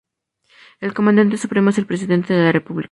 El Comandante Supremo es el Presidente de la República.